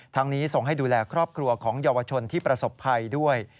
นี้ส่งให้ดูแลครอบครัวของเยาวชนที่ประสบภัยด้วย